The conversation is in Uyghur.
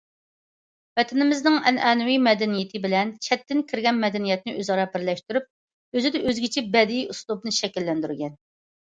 ۋەتىنىمىزنىڭ ئەنئەنىۋى مەدەنىيىتى بىلەن چەتتىن كىرگەن مەدەنىيەتنى ئۆزئارا بىرلەشتۈرۈپ، ئۆزىدە ئۆزگىچە بەدىئىي ئۇسلۇبىنى شەكىللەندۈرگەن.